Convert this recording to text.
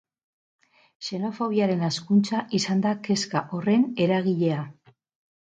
Xenofobiaren hazkuntza izan da kezka horren eragilea.